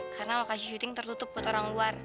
karena lokasi syuting tertutup buat orang luar